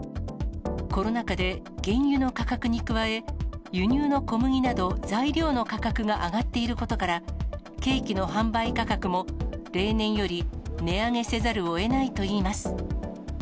コロナ禍で原油の価格に加え、輸入の小麦など、材料の価格が上がっていることから、ケーキの販売価格も例年より値上げせざるをえないといいます。